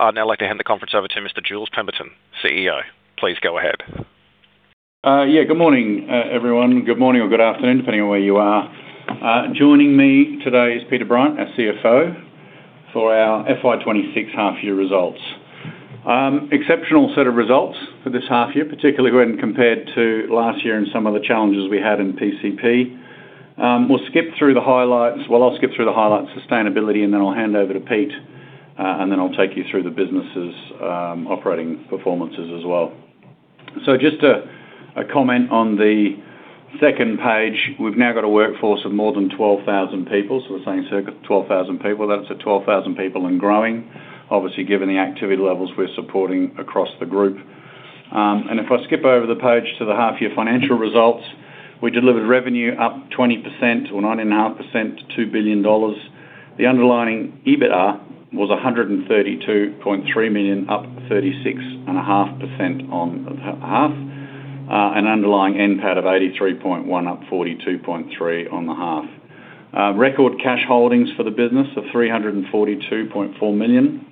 I'd now like to hand the conference over to Mr. Jules Pemberton, CEO. Please go ahead. Yeah, good morning, everyone. Good morning or good afternoon, depending on where you are. Joining me today is Peter Bryant, our CFO, for our FY 2026 Half Year results. Exceptional set of results for this half year, particularly when compared to last year and some of the challenges we had in PCP. We'll skip through the highlights. Well, I'll skip through the highlights, sustainability, and then I'll hand over to Pete, and then I'll take you through the business's operating performances as well. So just a comment on the second page. We've now got a workforce of more than 12,000 people, so we're saying circa 12,000 people. That's at 12,000 people and growing, obviously, given the activity levels we're supporting across the group. If I skip over the page to the half year financial results, we delivered revenue up 20% or 19.5% to 2 billion dollars. The underlying EBITDA was 132.3 million, up 36.5% on the half, an underlying NPAT of 83.1 million, up 42.3% on the half. Record cash holdings for the business of 342.4 million,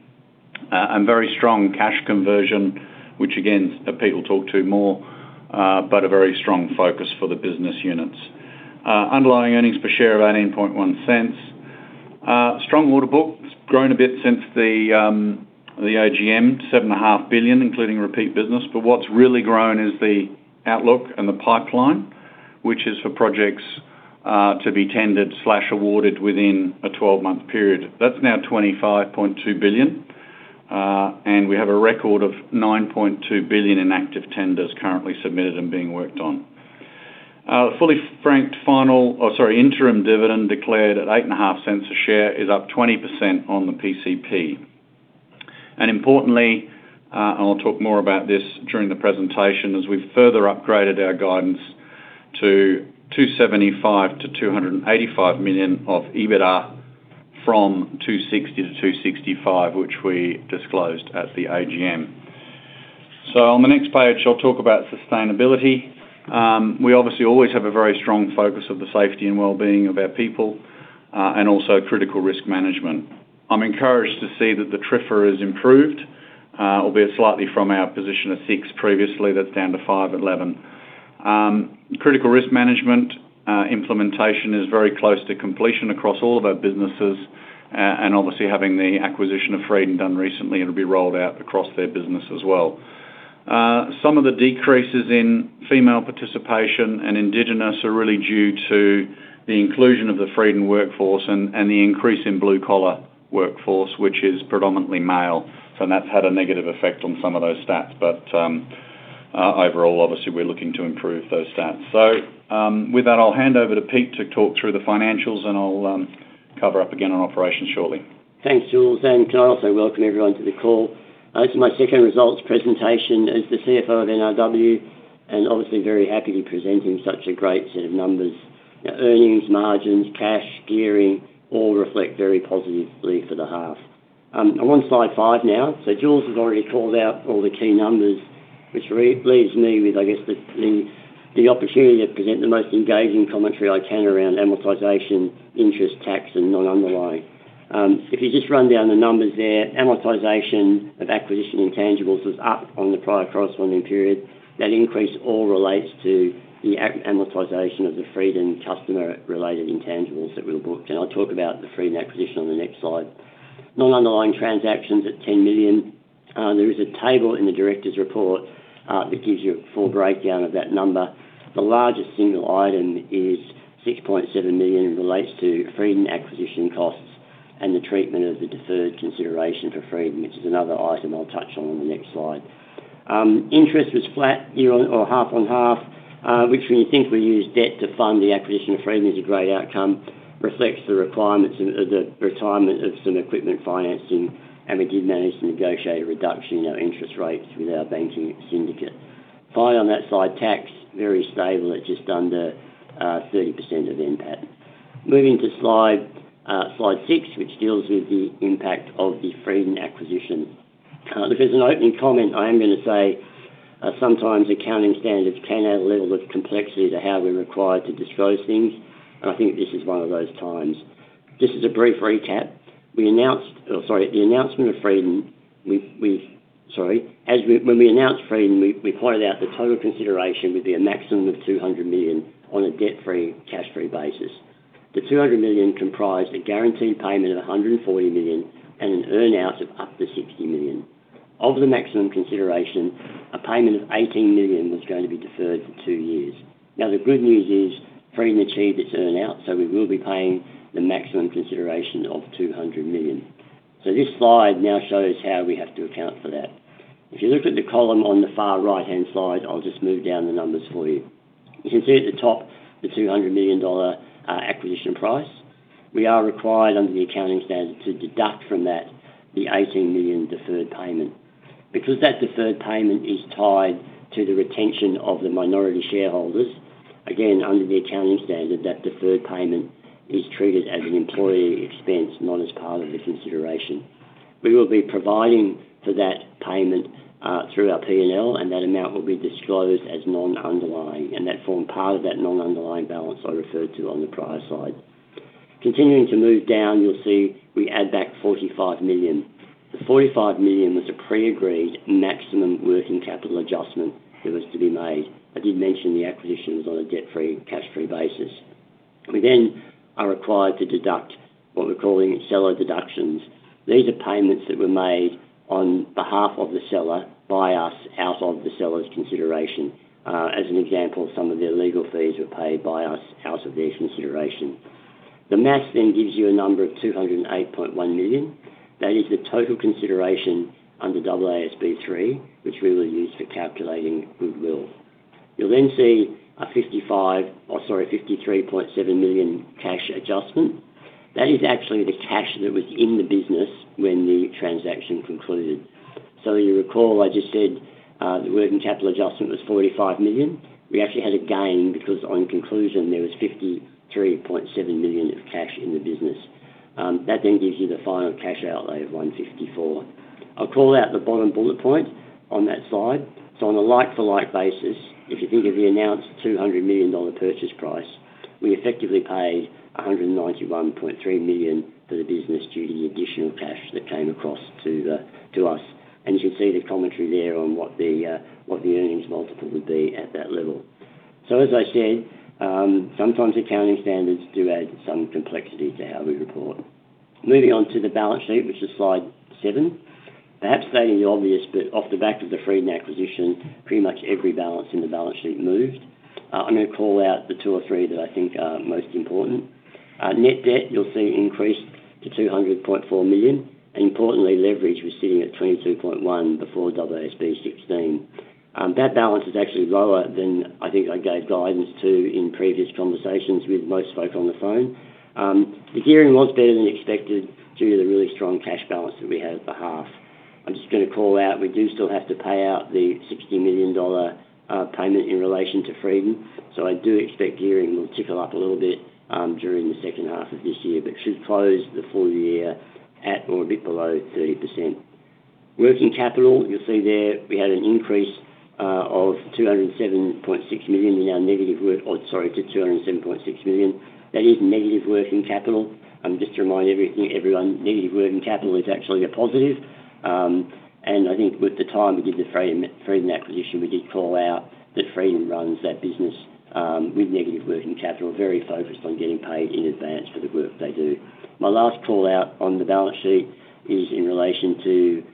and very strong cash conversion, which again, Pete will talk to more, but a very strong focus for the business units. Underlying earnings per share of 0.181. Strong order book has grown a bit since the AGM, 7.5 billion, including repeat business. But what's really grown is the outlook and the pipeline, which is for projects to be tendered/awarded within a 12-month period. That's now 25.2 billion, and we have a record of 9.2 billion in active tenders currently submitted and being worked on. Fully franked, interim dividend declared at 0.085 a share, is up 20% on the PCP. And importantly, and I'll talk more about this during the presentation, as we've further upgraded our guidance to 275-285 million of EBITDA, from 260-265, which we disclosed at the AGM. So on the next page, I'll talk about sustainability. We obviously always have a very strong focus on the safety and well-being of our people, and also critical risk management. I'm encouraged to see that the TRIFR has improved, albeit slightly from our position of six previously. That's down to 5.1. Critical risk management implementation is very close to completion across all of our businesses, and obviously, having the acquisition of Fredon done recently, it'll be rolled out across their business as well. Some of the decreases in female participation and Indigenous are really due to the inclusion of the Fredon workforce and, and the increase in blue-collar workforce, which is predominantly male, so that's had a negative effect on some of those stats. But, overall, obviously, we're looking to improve those stats. So, with that, I'll hand over to Pete to talk through the financials, and I'll cover up again on operations shortly. Thanks, Jules, and can I also welcome everyone to the call? This is my second results presentation as the CFO of NRW, and obviously very happy to be presenting such a great set of numbers. Earnings, margins, cash, gearing, all reflect very positively for the half. I'm on slide five now. So Jules has already called out all the key numbers, which leaves me with, I guess, the opportunity to present the most engaging commentary I can around amortization, interest, tax, and non-underlying. If you just run down the numbers there, amortization of acquisition intangibles was up on the prior corresponding period. That increase all relates to the amortization of the Fredon customer-related intangibles that we booked, and I'll talk about the Fredon acquisition on the next slide. Non-underlying transactions at 10 million. There is a table in the directors' report, that gives you a full breakdown of that number. The largest single item is 6.7 million, and relates to Fredon acquisition costs and the treatment of the deferred consideration for Fredon, which is another item I'll touch on on the next slide. Interest was flat year-on-year or half-on-half, which when you think we used debt to fund the acquisition of Fredon, is a great outcome, reflects the requirements and, the retirement of some equipment financing, and we did manage to negotiate a reduction in our interest rates with our banking syndicate. Finally, on that slide, tax, very stable at just under 30% of NPAT. Moving to slide, Slide 6, which deals with the impact of the Fredon acquisition. As an opening comment, I am going to say, sometimes accounting standards can add a level of complexity to how we're required to disclose things, and I think this is one of those times. Just as a brief recap, when we announced Fredon, we pointed out the total consideration would be a maximum of 200 million on a debt-free, cash-free basis. The 200 million comprised a guaranteed payment of 140 million and an earn-out of up to 60 million. Of the maximum consideration, a payment of 18 million was going to be deferred for two years. Now, the good news is Fredon achieved its earn-out, so we will be paying the maximum consideration of 200 million. So this slide now shows how we have to account for that. If you look at the column on the far right-hand side, I'll just move down the numbers for you. You can see at the top the 200 million dollar acquisition price. We are required under the accounting standard to deduct from that the 18 million deferred payment. Because that deferred payment is tied to the retention of the minority shareholders, again, under the accounting standard, that deferred payment is treated as an employee expense, not as part of the consideration. We will be providing for that payment through our P&L, and that amount will be disclosed as non-underlying, and that formed part of that non-underlying balance I referred to on the prior slide. Continuing to move down, you'll see we add back 45 million. The 45 million was a pre-agreed maximum working capital adjustment that was to be made. I did mention the acquisition was on a debt-free, cash-free basis. We then are required to deduct what we're calling seller deductions. These are payments that were made on behalf of the seller by us, out of the seller's consideration. As an example, some of their legal fees were paid by us out of their consideration. The math then gives you a number of 208.1 million. That is the total consideration under AASB 3, which we will use for calculating goodwill. You'll then see a 55, or sorry, 53.7 million cash adjustment. That is actually the cash that was in the business when the transaction concluded. So you recall, I just said, the working capital adjustment was 45 million. We actually had a gain because on conclusion, there was 53.7 million of cash in the business. That then gives you the final cash outlay of 154. I'll call out the bottom bullet point on that slide. So on a like-for-like basis, if you think of the announced 200 million dollar purchase price, we effectively paid 191.3 million for the business due to the additional cash that came across to us. And you can see the commentary there on what the earnings multiple would be at that level. So as I said, sometimes accounting standards do add some complexity to how we report. Moving on to the balance sheet, which is Slide 7. Perhaps fairly obvious, but off the back of the Fredon acquisition, pretty much every balance in the balance sheet moved. I'm going to call out the two or three that I think are most important. Net debt, you'll see, increased to 200.4 million, and importantly, leverage was sitting at 22.1 before AASB 16. That balance is actually lower than I think I gave guidance to in previous conversations with most folk on the phone. The gearing was better than expected due to the really strong cash balance that we had at the half. I'm just going to call out, we do still have to pay out the 60 million dollar payment in relation to Fredon, so I do expect gearing will tickle up a little bit during the second half of this year, but should close the full year at or a bit below 30%. Working capital, you'll see there, we had an increase to 207.6 million in our negative working capital. That is negative working capital. Just to remind everyone, negative working capital is actually a positive. And I think with the time we did the Fredon acquisition, we did call out that Fredon runs that business with negative working capital, very focused on getting paid in advance for the work they do. My last call-out on the balance sheet is in relation to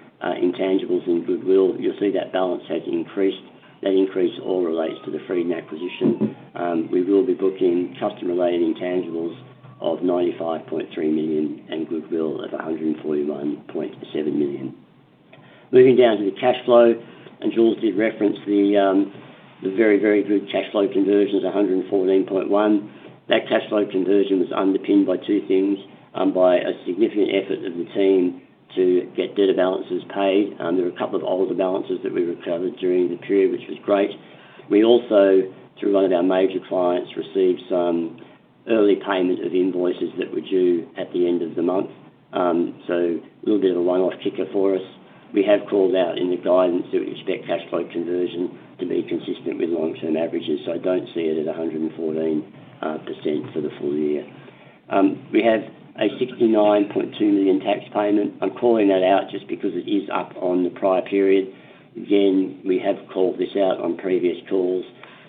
intangibles and goodwill. You'll see that balance has increased. That increase all relates to the Fredon acquisition. We will be booking customer-related intangibles of 95.3 million and goodwill of 141.7 million. Moving down to the cash flow, and Jules did reference the very, very good cash flow conversion is 114.1. That cash flow conversion was underpinned by two things: by a significant effort of the team to get debtor balances paid. There were a couple of older balances that we recovered during the period, which was great. We also, through one of our major clients, received some early payment of invoices that were due at the end of the month. So a little bit of a one-off kicker for us. We have called out in the guidance that we expect cash flow conversion to be consistent with long-term averages, so don't see it at 114% for the full year. We have a 69.2 million tax payment. I'm calling that out just because it is up on the prior period. Again, we have called this out on previous calls.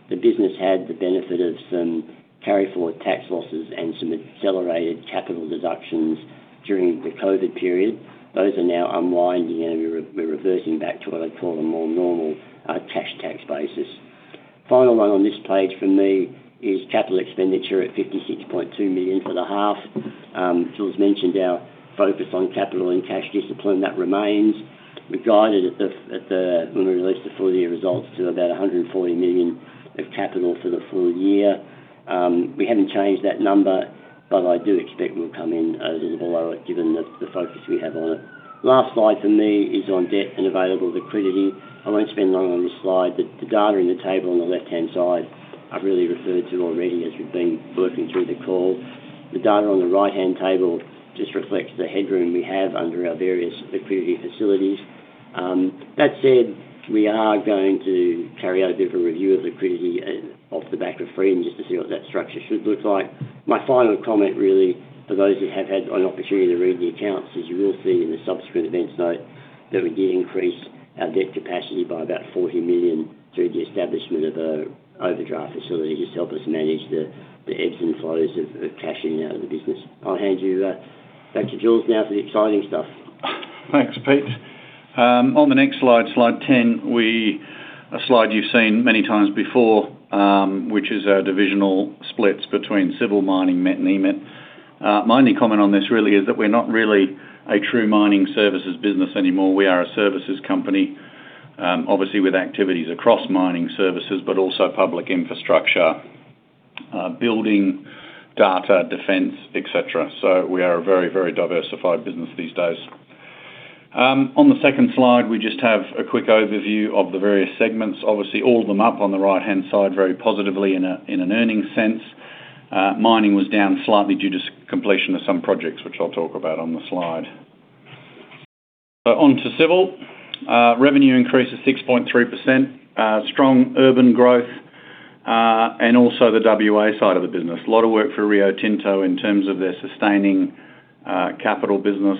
The business had the benefit of some carry forward tax losses and some accelerated capital deductions during the COVID period. Those are now unwinding, and we're reversing back to what I'd call a more normal cash tax basis. Final one on this page for me is capital expenditure at 56.2 million for the half. Jules mentioned our focus on capital and cash discipline, that remains. We guided when we released the full year results to about 140 million of capital for the full year. We haven't changed that number, but I do expect we'll come in a little below it, given the focus we have on it. Last slide for me is on debt and available liquidity. I won't spend long on this slide, but the data in the table on the left-hand side, I've really referred to already as we've been working through the call. The data on the right-hand table just reflects the headroom we have under our various liquidity facilities. That said, we are going to carry out a different review of liquidity and off the back of Fredon, just to see what that structure should look like. My final comment, really, for those who have had an opportunity to read the accounts, is you will see in the subsequent events note that we did increase our debt capacity by about 40 million through the establishment of an overdraft facility to help us manage the ebbs and flows of cashing out of the business. I'll hand you back to Jules now for the exciting stuff. Thanks, Pete. On the next slide, Slide 10, a slide you've seen many times before, which is our divisional splits between civil, mining, MET, and EMIT. My only comment on this really is that we're not really a true mining services business anymore. We are a services company, obviously with activities across mining services, but also public infrastructure, building, data, defense, et cetera. So we are a very, very diversified business these days. On the second slide, we just have a quick overview of the various segments. Obviously, all of them up on the right-hand side, very positively in an earnings sense. Mining was down slightly due to completion of some projects, which I'll talk about on the slide. So on to civil. Revenue increase of 6.3%. Strong urban growth, and also the WA side of the business. A lot of work for Rio Tinto in terms of their sustaining, capital business.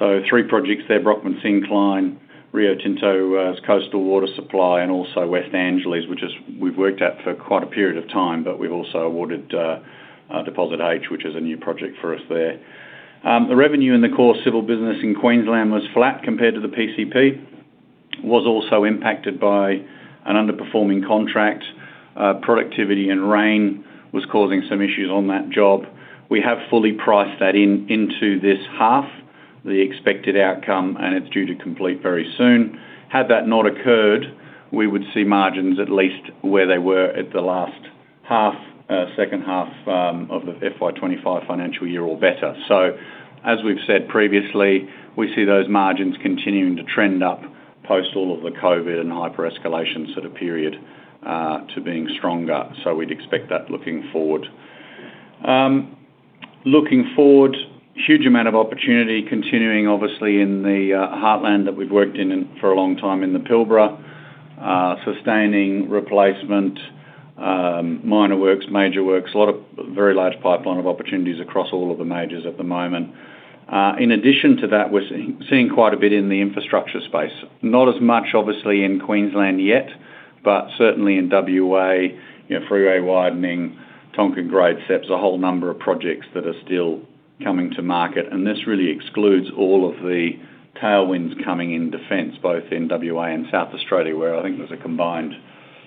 So three projects there, Brockman Syncline, Rio Tinto's Coastal Water Supply, and also West Angeles, which is, we've worked at for quite a period of time, but we've also awarded, Deposit Age, which is a new project for us there. The revenue in the core civil business in Queensland was flat compared to the PCP. Was also impacted by an underperforming contract. Productivity and rain was causing some issues on that job. We have fully priced that in into this half, the expected outcome, and it's due to complete very soon. Had that not occurred, we would see margins at least where they were at the last half, second half, of the FY 2025 financial year or better. So as we've said previously, we see those margins continuing to trend up post all of the COVID and hyper-escalation sort of period to being stronger. So we'd expect that looking forward. Looking forward, huge amount of opportunity continuing, obviously, in the heartland that we've worked in for a long time in the Pilbara. Sustaining replacement, minor works, major works, a lot of very large pipeline of opportunities across all of the majors at the moment. In addition to that, we're seeing quite a bit in the infrastructure space. Not as much, obviously, in Queensland yet, but certainly in WA, you know, freeway widening, Tonkin Grade Separator, a whole number of projects that are still coming to market, and this really excludes all of the tailwinds coming in defense, both in WA and South Australia, where I think there's a combined,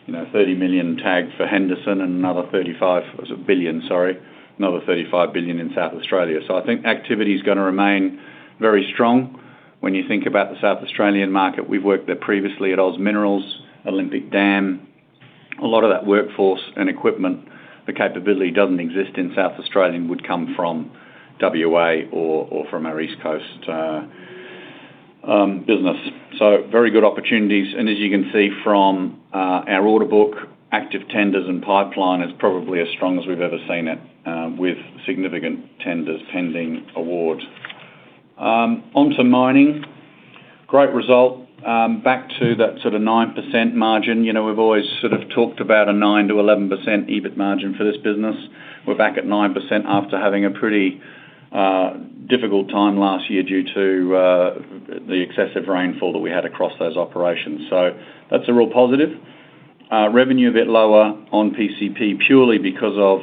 you know, 30 million tag for Henderson and another 35... It's a billion, sorry, another 35 billion in South Australia. So I think activity is gonna remain very strong. When you think about the South Australian market, we've worked there previously at OZ Minerals, Olympic Dam. A lot of that workforce and equipment, the capability doesn't exist in South Australia, and would come from WA or from our East Coast business. So very good opportunities, and as you can see from our order book, active tenders and pipeline is probably as strong as we've ever seen it, with significant tenders pending award. Onto mining. Great result. Back to that sort of 9% margin. You know, we've always sort of talked about a 9%-11% EBIT margin for this business. We're back at 9% after having a pretty difficult time last year due to the excessive rainfall that we had across those operations. So that's a real positive. Revenue a bit lower on PCP, purely because of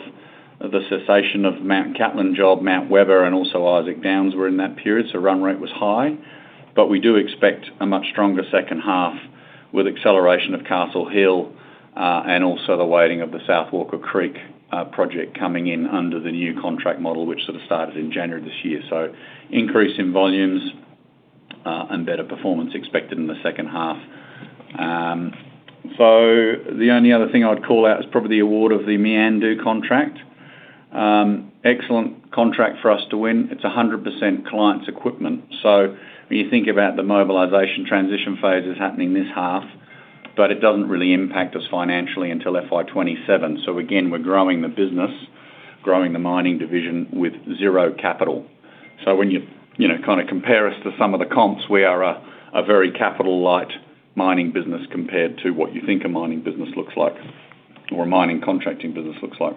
the cessation of Mount Catlin job, Mount Webber, and also Isaac Downs were in that period, so run rate was high. But we do expect a much stronger second half with acceleration of Castle Hill, and also the weighting of the South Walker Creek project coming in under the new contract model, which sort of started in January this year. So increase in volumes, and better performance expected in the second half. So the only other thing I'd call out is probably the award of the Meandu contract. Excellent contract for us to win. It's 100% client's equipment. So when you think about the mobilization transition phases happening this half, but it doesn't really impact us financially until FY 2027. So again, we're growing the business, growing the mining division with zero capital. So when you, you know, kinda compare us to some of the comps, we are a, a very capital-light mining business compared to what you think a mining business looks like or a mining contracting business looks like.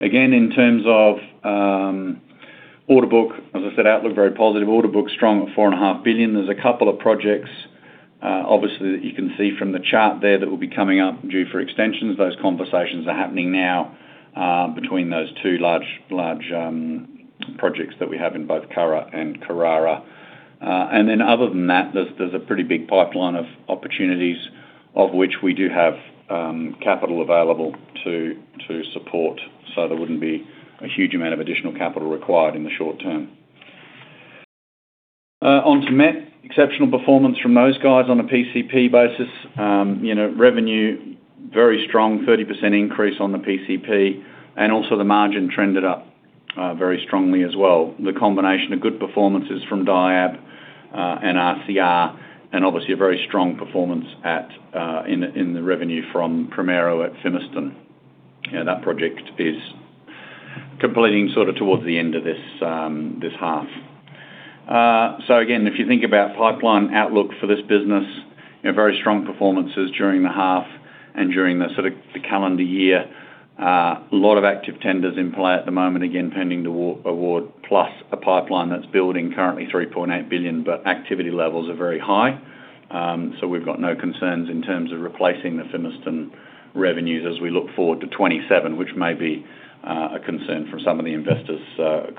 Again, in terms of, order book, as I said, outlook very positive. Order book strong at 4.5 billion. There's a couple of projects, obviously, that you can see from the chart there that will be coming up due for extensions. Those conversations are happening now, between those two large, large, projects that we have in both Curra and Carrara. And then other than that, there's, there's a pretty big pipeline of opportunities of which we do have, capital available to, to support. So there wouldn't be a huge amount of additional capital required in the short term. Onto MET. Exceptional performance from those guys on a PCP basis. You know, revenue, very strong, 30% increase on the PCP, and also the margin trended up very strongly as well. The combination of good performances from DIAB and RCR, and obviously a very strong performance in the revenue from Primero at Fimiston. Yeah, that project is completing sorta towards the end of this half. So again, if you think about pipeline outlook for this business, you know, very strong performances during the half and during the sort of the calendar year. A lot of active tenders in play at the moment, again, pending the award, plus a pipeline that's building currently 3.8 billion, but activity levels are very high. So we've got no concerns in terms of replacing the Fimiston revenues as we look forward to 2027, which may be a concern for some of the investors'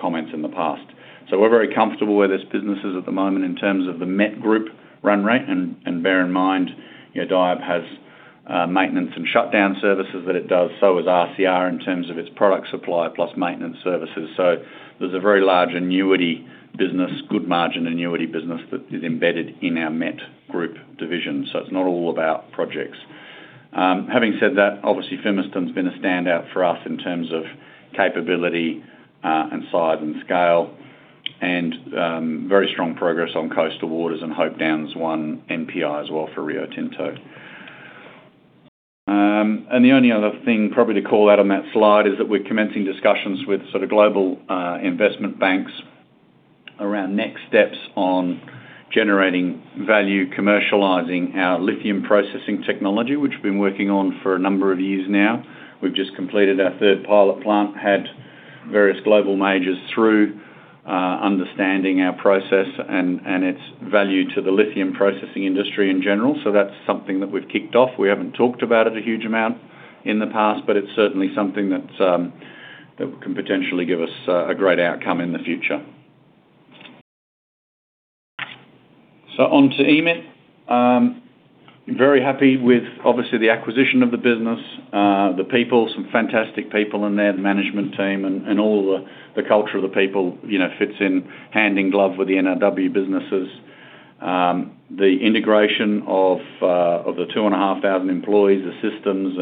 comments in the past. So we're very comfortable where this business is at the moment in terms of the Met Group run rate, and bear in mind, you know, DIAB has maintenance and shutdown services that it does. So has RCR in terms of its product supply plus maintenance services. So there's a very large annuity business, good margin annuity business, that is embedded in our Met Group division. So it's not all about projects. Having said that, obviously, Fimiston has been a standout for us in terms of capability and size and scale, and very strong progress on Coastal Water Supply and Hope Downs 1 NPI as well for Rio Tinto. The only other thing probably to call out on that slide is that we're commencing discussions with sort of global investment banks around next steps on generating value, commercializing our lithium processing technology, which we've been working on for a number of years now. We've just completed our third pilot plant, had various global majors through understanding our process and its value to the lithium processing industry in general. So that's something that we've kicked off. We haven't talked about it a huge amount in the past, but it's certainly something that can potentially give us a great outcome in the future. So on to EMIT. Very happy with obviously the acquisition of the business, the people, some fantastic people in there, the management team and all the, the culture of the people, you know, fits in hand in glove with the NRW businesses. The integration of the 2,500 employees, the systems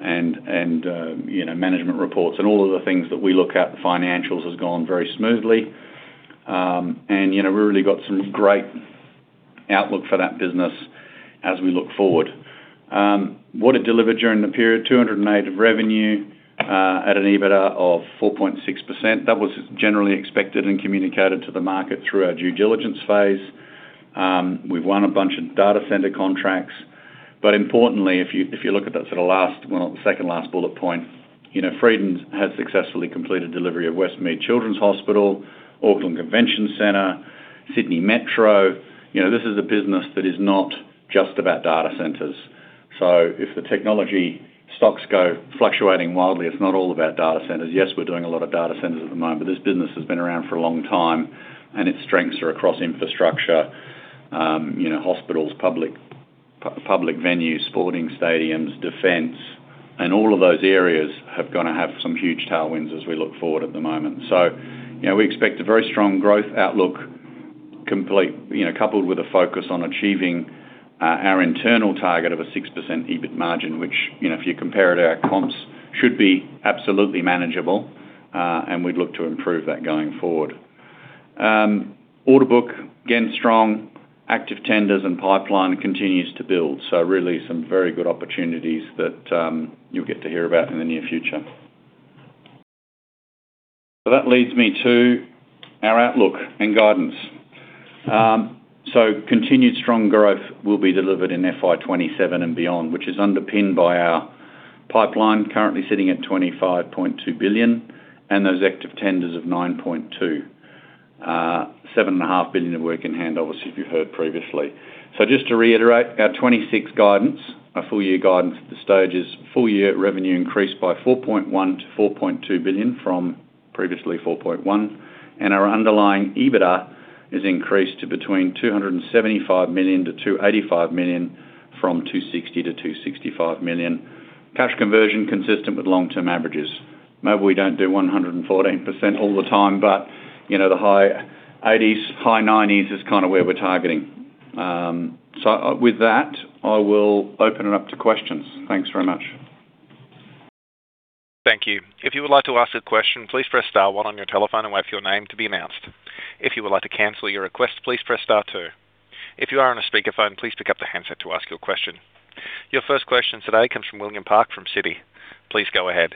and, and, you know, management reports and all of the things that we look at, the financials, has gone very smoothly. And, you know, we really got some great outlook for that business as we look forward. What it delivered during the period, 208 million of revenue, at an EBITDA of 4.6%. That was generally expected and communicated to the market through our due diligence phase. We've won a bunch of data center contracts, but importantly, if you, if you look at that sort of last, well, the second last bullet point, you know, Fredon's has successfully completed delivery of Westmead Children's Hospital, Auckland Convention Center, Sydney Metro. You know, this is a business that is not just about data centers. So if the technology stocks go fluctuating wildly, it's not all about data centers. Yes, we're doing a lot of data centers at the moment, but this business has been around for a long time, and its strengths are across infrastructure, you know, hospitals, public venues, sporting stadiums, defense, and all of those areas have gonna have some huge tailwinds as we look forward at the moment. So, you know, we expect a very strong growth outlook, complete, you know, coupled with a focus on achieving our internal target of a 6% EBIT margin, which, you know, if you compare it to our comps, should be absolutely manageable, and we'd look to improve that going forward. Order book, again, strong. Active tenders and pipeline continues to build, so really some very good opportunities that you'll get to hear about in the near future. So that leads me to our outlook and guidance. So continued strong growth will be delivered in FY 2027 and beyond, which is underpinned by our pipeline, currently sitting at 25.2 billion, and those active tenders of 9.2 billion. 7.5 billion of work in hand, obviously, you've heard previously. So just to reiterate, our 2026 guidance, our full year guidance at this stage is full year revenue increased by 4.1 billion-4.2 billion from previously 4.1 billion, and our underlying EBITDA is increased to between 275 million-285 million, from 260 million-265 million. Cash conversion consistent with long-term averages. Maybe we don't do 114% all the time, but, you know, the high eighties, high nineties is kinda where we're targeting. So, with that, I will open it up to questions. Thanks very much. Thank you. If you would like to ask a question, please press star one on your telephone and wait for your name to be announced. If you would like to cancel your request, please press star two. If you are on a speakerphone, please pick up the handset to ask your question. Your first question today comes from William Park, from Citi. Please go ahead.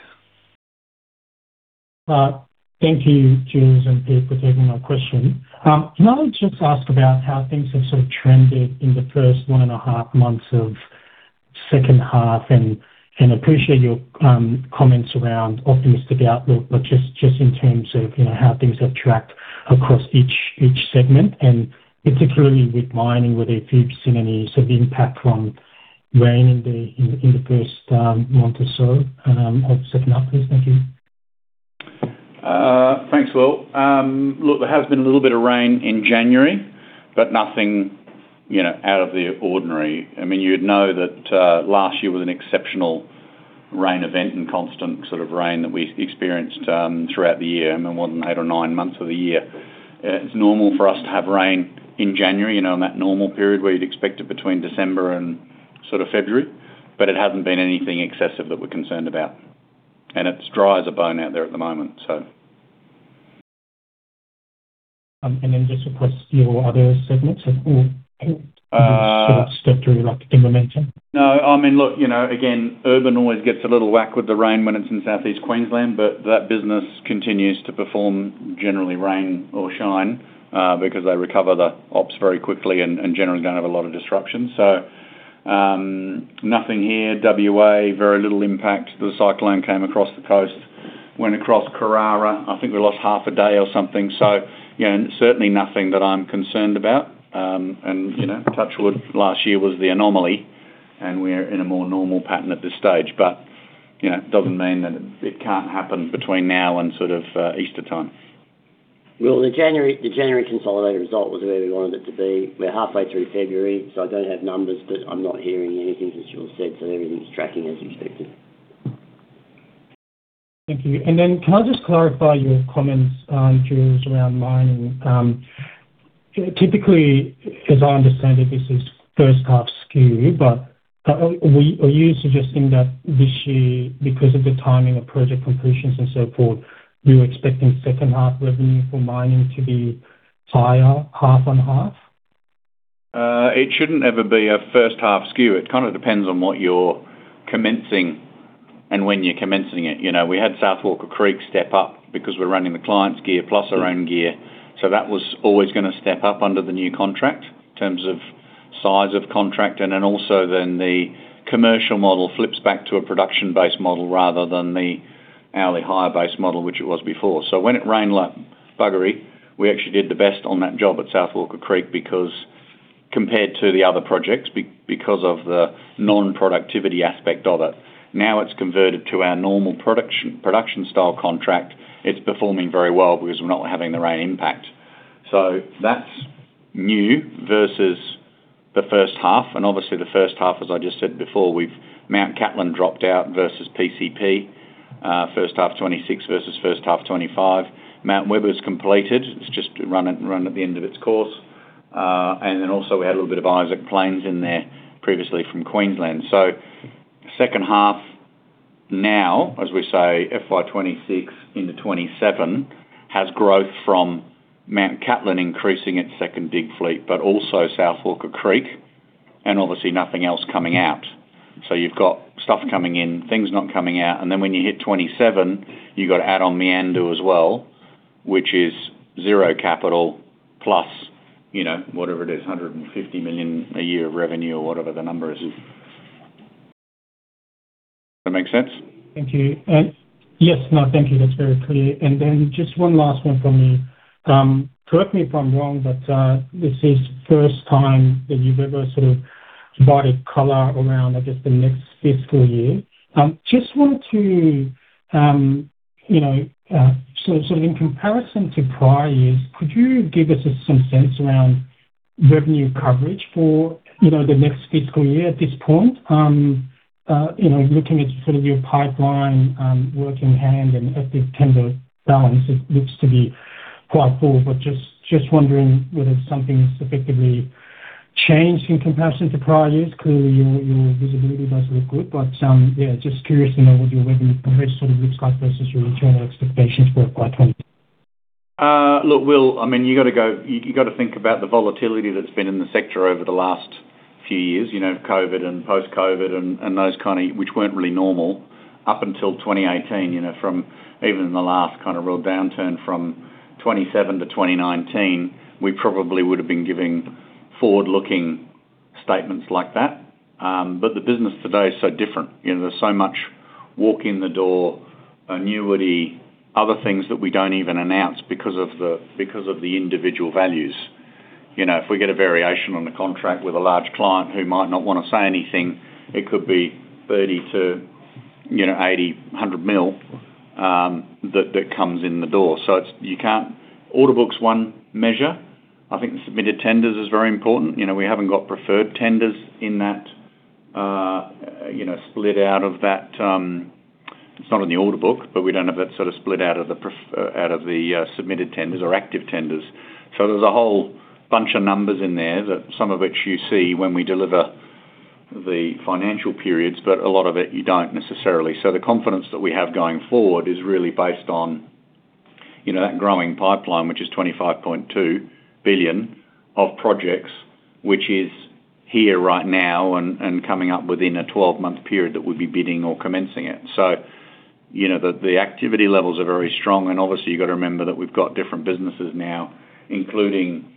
Thank you, Jules and Pete, for taking my question. Can I just ask about how things have sort of trended in the first 1.5 months of second half, and appreciate your comments around optimistic outlook, but just in terms of, you know, how things have tracked across each segment, and particularly with mining, whether if you've seen any sort of impact from rain in the first month or so of second half. Thank you. Thanks, Will. Look, there has been a little bit of rain in January, but nothing, you know, out of the ordinary. I mean, you'd know that last year was an exceptional rain event and constant sort of rain that we experienced throughout the year, more than eight or nine months of the year. It's normal for us to have rain in January, you know, in that normal period where you'd expect it between December and sort of February, but it hasn't been anything excessive that we're concerned about. And it's dry as a bone out there at the moment, so... And then just across your other segments as well, sort of step through, like the momentum? No, I mean, look, you know, again, urban always gets a little whack with the rain when it's in Southeast Queensland, but that business continues to perform generally, rain or shine, because they recover the ops very quickly and generally don't have a lot of disruption. So, nothing here. WA, very little impact. The cyclone came across the coast, went across Carrara. I think we lost half a day or something. So yeah, certainly nothing that I'm concerned about. And, you know, touch wood, last year was the anomaly, and we're in a more normal pattern at this stage. But, you know, it doesn't mean that it can't happen between now and sort of, Easter time. Well, the January consolidated result was where we wanted it to be. We're halfway through February, so I don't have numbers, but I'm not hearing anything, as Jules said, so everything's tracking as expected. Thank you. Then can I just clarify your comments, Jules, around mining? Typically, as I understand it, this is first half skew, but are you suggesting that this year, because of the timing of project completions and so forth, you're expecting second half revenue for mining to be higher, half and half?... It shouldn't ever be a first half skew. It kind of depends on what you're commencing and when you're commencing it. You know, we had South Walker Creek step up because we're running the client's gear plus our own gear, so that was always gonna step up under the new contract in terms of size of contract, and then also then the commercial model flips back to a production-based model rather than the hourly hire-based model, which it was before. So when it rained like buggery, we actually did the best on that job at South Walker Creek because compared to the other projects, because of the non-productivity aspect of it. Now, it's converted to our normal production, production style contract. It's performing very well because we're not having the rain impact. So that's new versus the first half, and obviously the first half, as I just said before, we've Mount Catlin dropped out versus PCP, first half 2026 versus first half 2025. Mount Webber was completed. It's just run at the end of its course. And then also we had a little bit of Isaac Plains in there previously from Queensland. So second half now, as we say, FY 2026 into 2027, has growth from Mount Catlin, increasing its second big fleet, but also South Walker Creek, and obviously nothing else coming out. So you've got stuff coming in, things not coming out, and then when you hit 2027, you've got to add on Meandu as well, which is zero capital plus, you know, whatever it is, 150 million a year of revenue or whatever the number is. Does that make sense? Thank you. Yes. No, tha```nk you. That's very clear. And then just one last one from me. Correct me if I'm wrong, but this is first time that you've ever sort of provided color around, I guess, the next fiscal year. Just wanted to, you know, so, so in comparison to prior years, could you give us some sense around revenue coverage for, you know, the next fiscal year at this point? You know, looking at sort of your pipeline, work in hand and at the tender balance, it looks to be quite full, but just, just wondering whether something's effectively changed in comparison to prior years. Clearly, your, your visibility does look good, but yeah, just curious to know what your revenue coverage sort of looks like versus your internal expectations for FY 2020. Look, Will, I mean, you got to go, you, you got to think about the volatility that's been in the sector over the last few years, you know, COVID and post-COVID and, and those kind of. Which weren't really normal up until 2018, you know, from even the last kind of real downturn from 2017-2019, we probably would have been giving forward-looking statements like that. But the business today is so different. You know, there's so much walk in the door, annuity, other things that we don't even announce because of the, because of the individual values. You know, if we get a variation on a contract with a large client who might not wanna say anything, it could be 30 million to, you know, 80 million, 100 million, that, that comes in the door. So it's, you can't. Order book's one measure. I think the submitted tenders is very important. You know, we haven't got preferred tenders in that, you know, split out of that, it's not in the order book, but we don't have that sort of split out of the preferred out of the submitted tenders or active tenders. So there's a whole bunch of numbers in there that some of which you see when we deliver the financial periods, but a lot of it you don't necessarily. So the confidence that we have going forward is really based on, you know, that growing pipeline, which is 25.2 billion of projects, which is here right now and coming up within a 12-month period that we'll be bidding or commencing it. So, you know, the activity levels are very strong, and obviously, you've got to remember that we've got different businesses now, including,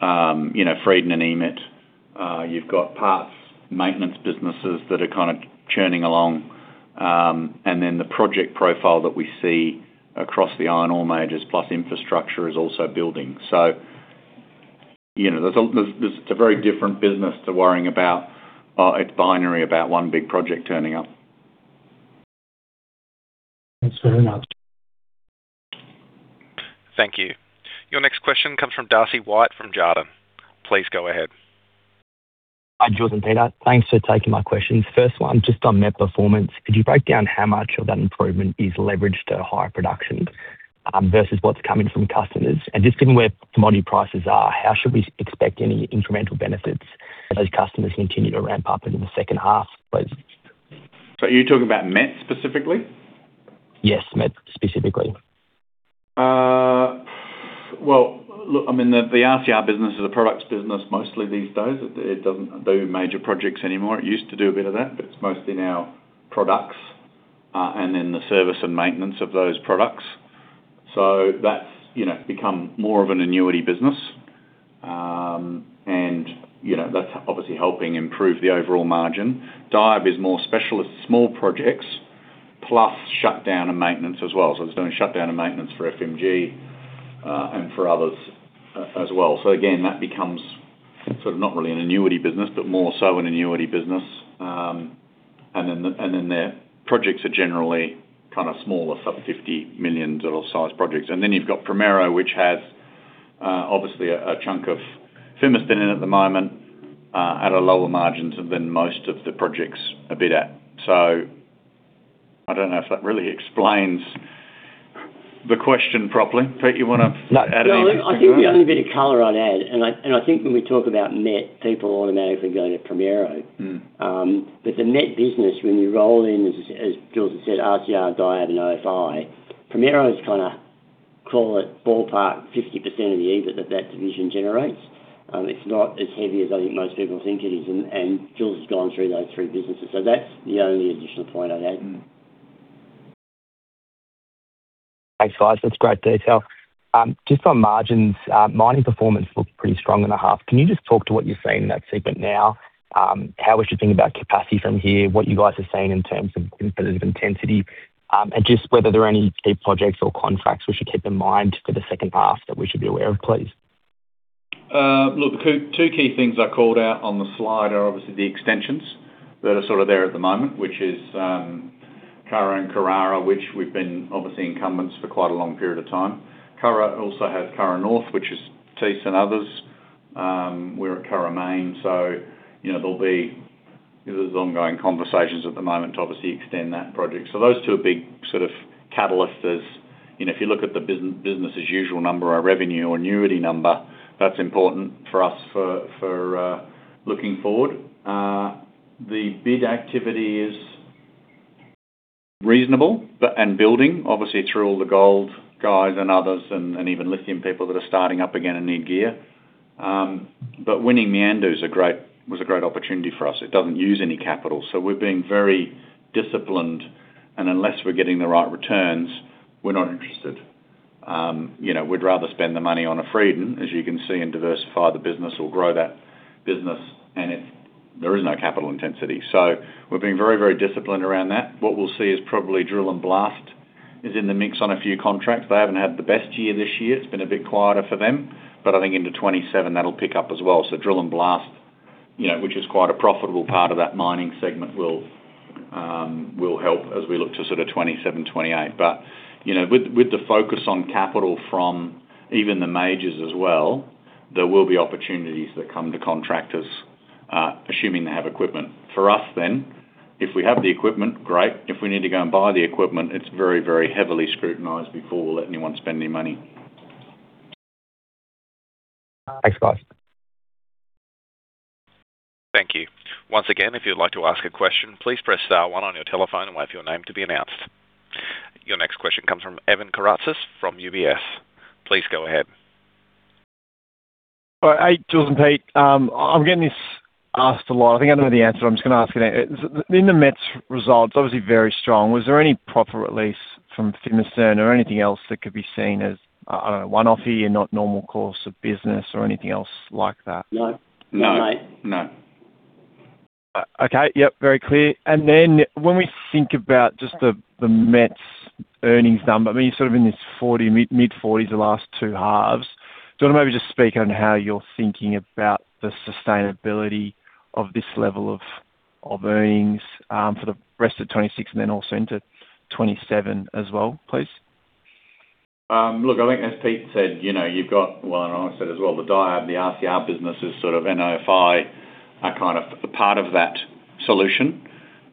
you know, Fredon and EMIT. You've got parts, maintenance businesses that are kind of churning along, and then the project profile that we see across the iron ore majors, plus infrastructure is also building. So, you know, it's a very different business to worrying about, it's binary, about one big project turning up. Thanks very much. Thank you. Your next question comes from Darcy White, from Jarden. Please go ahead. Hi, George and Peter. Thanks for taking my questions. First one, just on net performance. Could you break down how much of that improvement is leveraged to higher production, versus what's coming from customers? And just given where commodity prices are, how should we expect any incremental benefits as customers continue to ramp up into the second half, please? Are you talking about MET specifically? Yes, MET specifically. Well, look, I mean, the RCR business is a products business mostly these days. It doesn't do major projects anymore. It used to do a bit of that, but it's mostly now products, and then the service and maintenance of those products. So that's, you know, become more of an annuity business. And, you know, that's obviously helping improve the overall margin. DIAB is more specialist, small projects, plus shutdown and maintenance as well. So it's doing shutdown and maintenance for FMG, and for others as well. So again, that becomes sort of not really an annuity business, but more so an annuity business. And then the, and then their projects are generally kind of smaller, sub-AUD 50 million size projects. And then you've got Primero, which has, obviously a chunk of Fimiston in at the moment, at lower margins than most of the projects a bit at. So I don't know if that really explains the question properly. Pete, you wanna add anything? No, I think the only bit of color I'd add, and I think when we talk about net, people automatically go to Primero. Mm. But the net business, when you roll in, as Jules said, RCR, DIAB, and OFI, Primero is kinda call it ballpark 50% of the EBIT that that division generates. It's not as heavy as I think most people think it is, and Jules has gone through those three businesses. So that's the only additional point I'd add. Thanks, guys. That's great detail. Just on margins, mining performance looked pretty strong in the half. Can you just talk to what you're seeing in that segment now? How we should think about capacity from here, what you guys are seeing in terms of intensity, and just whether there are any key projects or contracts we should keep in mind for the second half that we should be aware of, please? Look, two key things I called out on the slide are obviously the extensions that are sort of there at the moment, which is Curra and Carrara, which we've been obviously incumbents for quite a long period of time. Curra also has Curra North, which is Thiess and others. We're at Curra Main, so you know, there'll be—there's ongoing conversations at the moment to obviously extend that project. So those two are big sort of catalysts as you know, if you look at the business as usual number, our revenue or annuity number, that's important for us for looking forward. The bid activity is reasonable, but and building, obviously, through all the gold guys and others and, and even lithium people that are starting up again and need gear. But winning Meandu is a great-- was a great opportunity for us. It doesn't use any capital. So we're being very disciplined, and unless we're getting the right returns, we're not interested. You know, we'd rather spend the money on Fredon, as you can see, and diversify the business or grow that business, and it-- there is no capital intensity. So we're being very, very disciplined around that. What we'll see is probably drill and blast is in the mix on a few contracts. They haven't had the best year this year. It's been a bit quieter for them, but I think into 2027, that'll pick up as well. So drill and blast, you know, which is quite a profitable part of that mining segment, will, will help as we look to sort of 2027, 2028. But, you know, with the focus on capital from even the majors as well, there will be opportunities that come to contractors, assuming they have equipment. For us then, if we have the equipment, great. If we need to go and buy the equipment, it's very, very heavily scrutinized before we let anyone spend any money. Thanks, guys. Thank you. Once again, if you'd like to ask a question, please press star one on your telephone and wait for your name to be announced. Your next question comes from Evan Karatzas from UBS. Please go ahead. All right, Jules and Pete, I'm getting this asked a lot. I think I know the answer, I'm just gonna ask it anyway. In the MET's results, obviously very strong, was there any profit release from Fimiston or anything else that could be seen as, I don't know, one-off year, not normal course of business or anything else like that? No. No. No. Okay. Yep, very clear. Then when we think about just the MET's earnings number, I mean, you're sort of in this mid-40s the last two halves. Do you want to maybe just speak on how you're thinking about the sustainability of this level of earnings for the rest of 2026 and then also into 2027 as well, please? Look, I think as Pete said, you know, you've got... Well, and I said as well, the DIAB, the RCR business is sort of OFI, are kind of a part of that solution.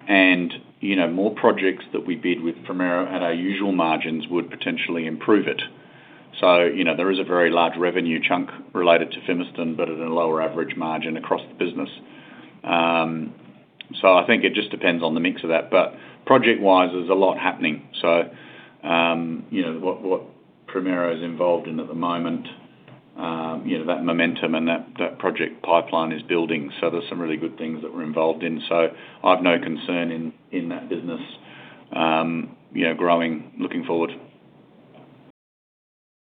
And, you know, more projects that we bid with Primero at our usual margins would potentially improve it. So, you know, there is a very large revenue chunk related to Fimiston, but at a lower average margin across the business. So I think it just depends on the mix of that. But project-wise, there's a lot happening. So, you know, what, what Primero is involved in at the moment, you know, that momentum and that, that project pipeline is building. So there's some really good things that we're involved in. So I've no concern in, in that business, you know, growing, looking forward.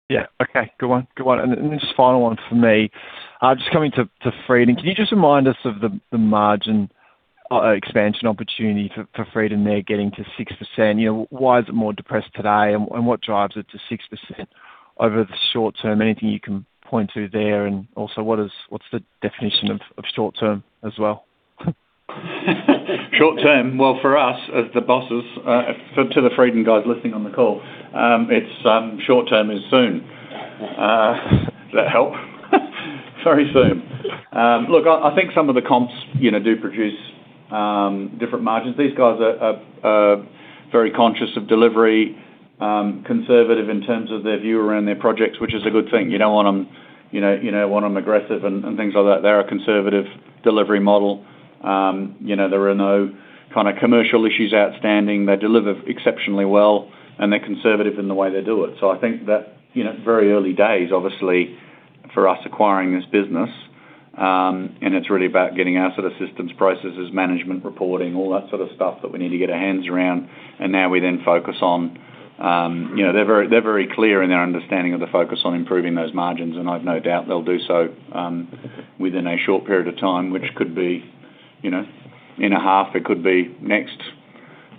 Yeah. Okay, good one. Good one. And just final one for me, just coming to Fredon. Can you just remind us of the margin expansion opportunity for Fredon there, getting to 6%? You know, why is it more depressed today, and what drives it to 6% over the short term? Anything you can point to there, and also, what's the definition of short term as well? Short term? Well, for us, as the bosses, to the Fredon guys listening on the call, it's short term is soon. Does that help? Very soon. Look, I think some of the comps, you know, do produce different margins. These guys are very conscious of delivery, conservative in terms of their view around their projects, which is a good thing. You don't want them, you know, want them aggressive and things like that. They're a conservative delivery model. You know, there are no kind of commercial issues outstanding. They deliver exceptionally well, and they're conservative in the way they do it. So I think that, you know, very early days, obviously, for us acquiring this business, and it's really about getting our sort of systems, processes, management, reporting, all that sort of stuff that we need to get our hands around. And now we then focus on. You know, they're very, they're very clear in their understanding of the focus on improving those margins, and I've no doubt they'll do so, within a short period of time, which could be, you know, in a half, it could be next,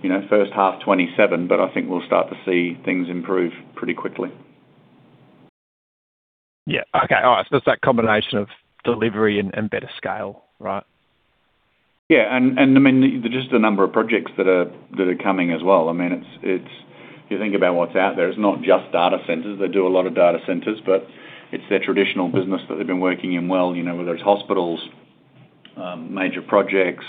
you know, first half 2027, but I think we'll start to see things improve pretty quickly. Yeah. Okay, all right. So it's that combination of delivery and, and better scale, right? Yeah, and I mean, just the number of projects that are coming as well. I mean, it's – if you think about what's out there, it's not just data centers. They do a lot of data centers, but it's their traditional business that they've been working in well, you know, whether it's hospitals, major projects,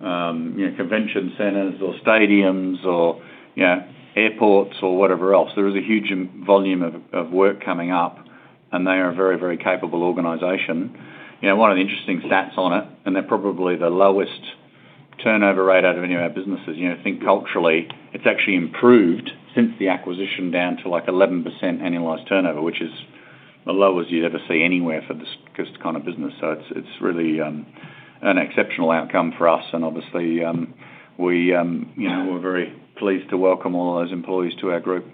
you know, convention centers or stadiums or, you know, airports or whatever else. There is a huge volume of work coming up, and they are a very, very capable organization. You know, one of the interesting stats on it, and they're probably the lowest turnover rate out of any of our businesses. You know, I think culturally, it's actually improved since the acquisition down to, like, 11% annualized turnover, which is the lowest you'd ever see anywhere for this kind of business. It's really an exceptional outcome for us, and obviously, you know, we're very pleased to welcome all of those employees to our group.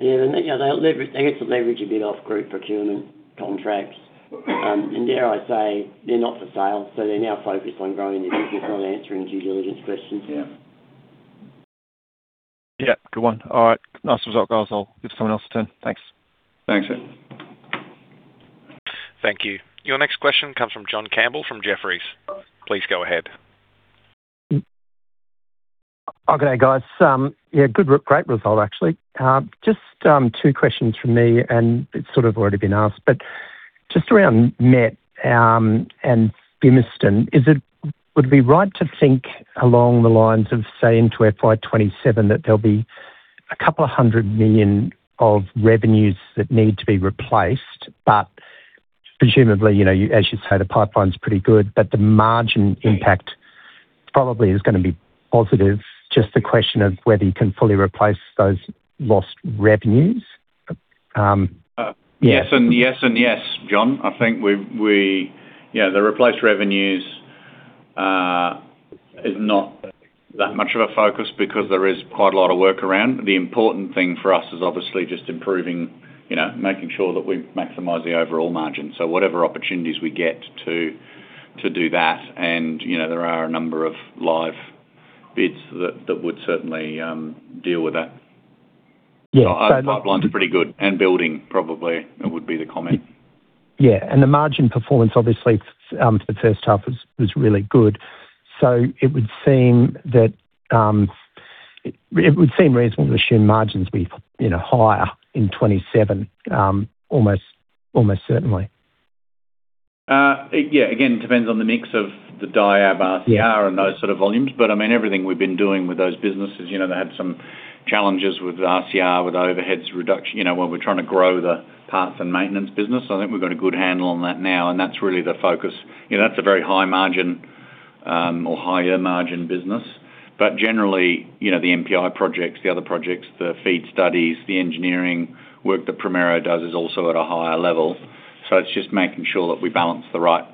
Yeah, and, you know, they get to leverage a bit off group procurement contracts. And dare I say, they're not for sale, so they're now focused on growing their business, not answering due diligence questions. Yeah. Yeah. Good one. All right. Nice result, guys. I'll give someone else a turn. Thanks. Thanks. Thank you. Your next question comes from John Campbell, from Jefferies. Please go ahead. Okay, guys, yeah, good, great result, actually. Just, two questions from me, and it's sort of already been asked, but just around MET, and Fimiston, would it be right to think along the lines of, say, into FY 2027, that there'll be a couple of hundred million of revenues that need to be replaced, but presumably, you know, as you say, the pipeline's pretty good, but the margin impact probably is gonna be positive? Just a question of whether you can fully replace those lost revenues, yeah. Yes, and yes, and yes, John. I think we, yeah, the replaced revenues is not that much of a focus because there is quite a lot of work around. The important thing for us is obviously just improving, you know, making sure that we maximize the overall margin. So whatever opportunities we get to do that, and, you know, there are a number of live bids that would certainly deal with that. Yeah. Our pipeline's pretty good and building, probably, would be the comment. Yeah, and the margin performance, obviously, for the first half was really good. So it would seem that it would seem reasonable to assume margins be, you know, higher in 2027, almost certainly. Yeah, again, it depends on the mix of the DIAB RCR- Yeah - and those sort of volumes. But, I mean, everything we've been doing with those businesses, you know, they had some challenges with RCR, with overheads reduction. You know, when we're trying to grow the parts and maintenance business, I think we've got a good handle on that now, and that's really the focus. You know, that's a very high margin, or higher margin business. But generally, you know, the NPI projects, the other projects, the feed studies, the engineering work that Primero does is also at a higher level. So it's just making sure that we balance the right,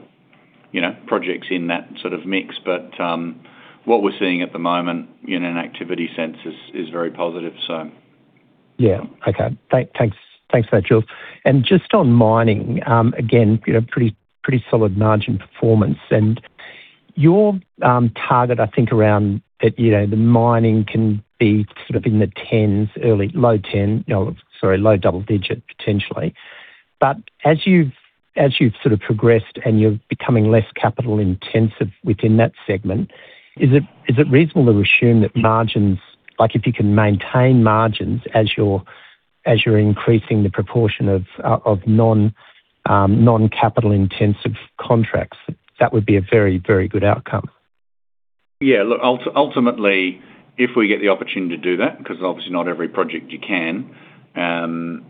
you know, projects in that sort of mix. But, what we're seeing at the moment, in an activity sense, is very positive, so. Yeah. Okay. Thanks, thanks for that, Jules. And just on mining, again, you know, pretty, pretty solid margin performance. And your target, I think, around that, you know, the mining can be sort of in the tens, early, low ten, sorry, low double digit, potentially. But as you've, as you've sort of progressed and you're becoming less capital-intensive within that segment, is it, is it reasonable to assume that margins, like, if you can maintain margins as you're, as you're increasing the proportion of non, non-capital-intensive contracts, that would be a very, very good outcome? Yeah, look, ultimately, if we get the opportunity to do that, because obviously not every project you can,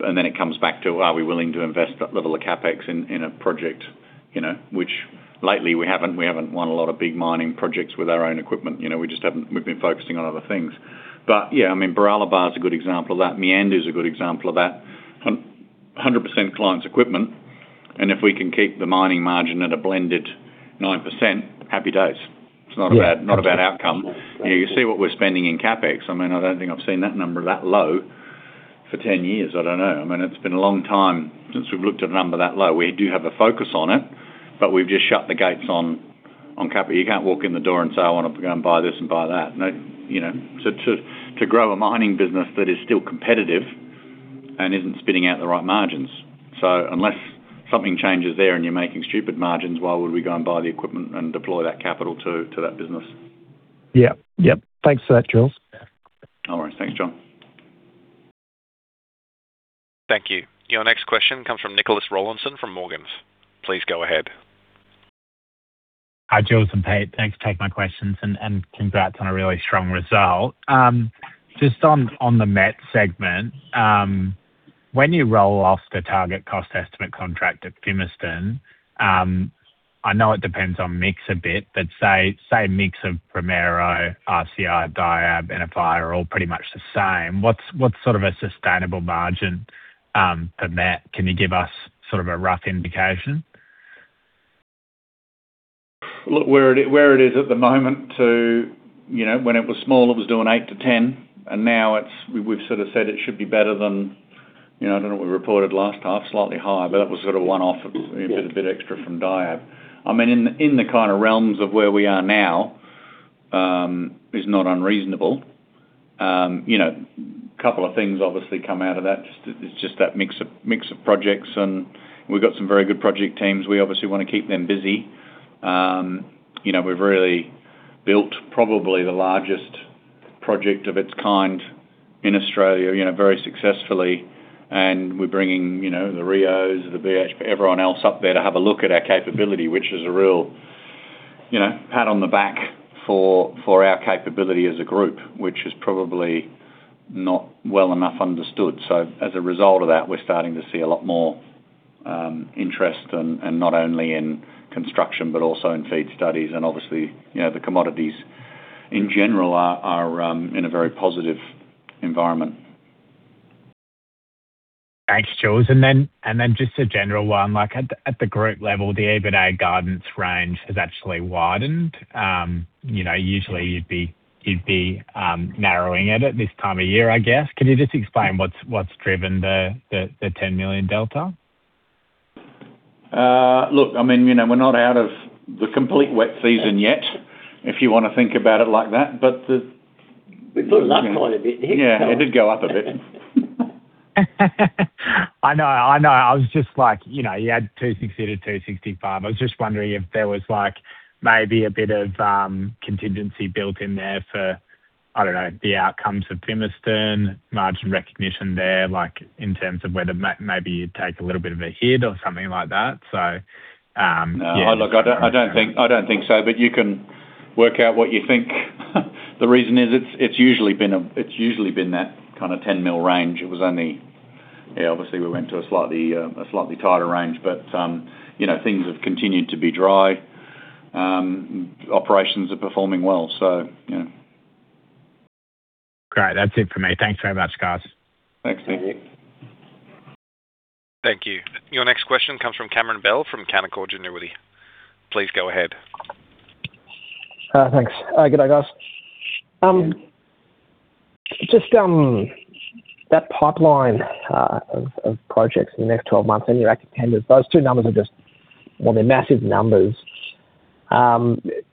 and then it comes back to, are we willing to invest that level of CapEx in a project, you know, which lately we haven't. We haven't won a lot of big mining projects with our own equipment. You know, we just haven't—we've been focusing on other things. But yeah, I mean, Baralaba is a good example of that. Meandu is a good example of that. 100% client's equipment, and if we can keep the mining margin at a blended 9%, happy days. Yeah. It's not a bad, not a bad outcome. You see what we're spending in CapEx. I mean, I don't think I've seen that number that low for 10 years. I don't know. I mean, it's been a long time since we've looked at a number that low. We do have a focus on it, but we've just shut the gates on, on CapEx. You can't walk in the door and say, "I wanna go and buy this and buy that." No, you know? So to, to grow a mining business that is still competitive and isn't spitting out the right margins. So unless something changes there and you're making stupid margins, why would we go and buy the equipment and deploy that capital to, to that business? Yeah. Yep. Thanks for that, Jules. No worries. Thanks, John. Thank you. Your next question comes from Nicholas Rollinson, from Morgans. Please go ahead. Hi, Jules and Pete. Thanks for taking my questions, and congrats on a really strong result. Just on the MET segment, when you roll off the target cost estimate contract at Fimiston, I know it depends on mix a bit, but say the mix of Primero, RCR, Diab, and FI are all pretty much the same, what's sort of a sustainable margin for MET? Can you give us sort of a rough indication? Look, where it is at the moment to... You know, when it was small, it was doing 8-10, and now it's- we've sort of said it should be better than, you know, I don't know, what we reported last half, slightly higher, but it was sort of one-off- Yeah... a bit, a bit extra from DIAB. I mean, in, in the kind of realms of where we are now, is not unreasonable. You know, a couple of things obviously come out of that. Just, it's just that mix of, mix of projects, and we've got some very good project teams. We obviously want to keep them busy. You know, we've really built probably the largest project of its kind in Australia, you know, very successfully, and we're bringing, you know, the Rio's, the BHP, everyone else up there to have a look at our capability, which is a real, you know, pat on the back for, for our capability as a group, which is probably not well enough understood. So as a result of that, we're starting to see a lot more interest and, and not only in construction, but also in feed studies. Obviously, you know, the commodities in general are in a very positive environment. Thanks, Jules. And then just a general one, like at the group level, the EBITDA guidance range has actually widened. You know, usually you'd be narrowing it at this time of year, I guess. Can you just explain what's driven the 10 million delta? Look, I mean, you know, we're not out of the complete wet season yet, if you wanna think about it like that, but the- We put it up quite a bit. Yeah, it did go up a bit. I know. I know. I was just like, you know, you had 260-265. I was just wondering if there was like maybe a bit of contingency built in there for, I don't know, the outcomes of Primero, margin recognition there, like in terms of whether maybe you'd take a little bit of a hit or something like that. So, yeah- No. Look, I don't think so, but you can work out what you think. The reason is, it's usually been that kinda 10 mil range. It was only... Yeah, obviously, we went to a slightly tighter range, but, you know, things have continued to be dry. Operations are performing well, so yeah. Great. That's it for me. Thanks very much, guys. Thanks, Andy. Thank you. Your next question comes from Cameron Bell, from Canaccord Genuity. Please go ahead. Thanks. Good day, guys. Just that pipeline of projects in the next 12 months and your active tenders, those two numbers are just... Well, they're massive numbers.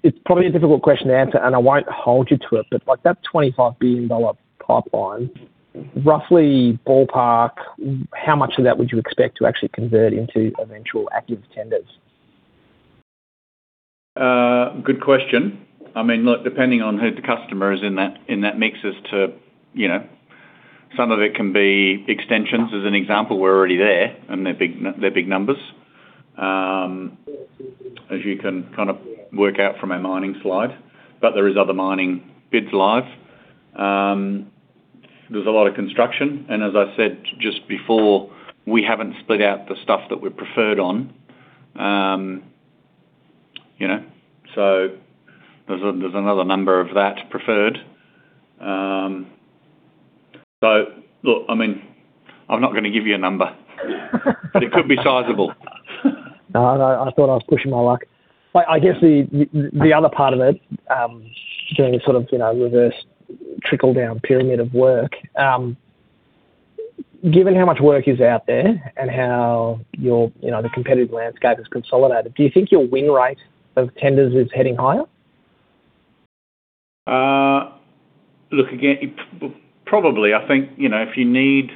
It's probably a difficult question to answer, and I won't hold you to it, but, like, that 25 billion dollar pipeline, roughly ballpark, how much of that would you expect to actually convert into eventual active tenders? Good question. I mean, look, depending on who the customer is in that, in that mix as to, you know, some of it can be extensions. As an example, we're already there, and they're big numbers. As you can kinda work out from our mining slide, but there is other mining bids live. There's a lot of construction, and as I said, just before, we haven't split out the stuff that we're preferred on. You know, so there's a, there's another number of that preferred. So look, I mean, I'm not gonna give you a number, but it could be sizable. No, I know. I thought I was pushing my luck. But I guess the other part of it, doing sort of, you know, reverse trickle-down pyramid of work, given how much work is out there and how your, you know, the competitive landscape is consolidated, do you think your win rate of tenders is heading higher? Look, again, probably, I think, you know, if you need